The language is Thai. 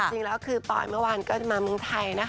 จริงแล้วคือปอยเมื่อวานก็จะมาเมืองไทยนะคะ